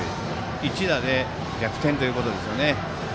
一打で逆転ということですね。